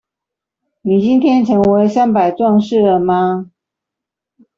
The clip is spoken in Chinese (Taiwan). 你今天成為三百壯士了嗎？